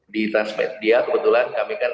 di transmedia kebetulan kami kan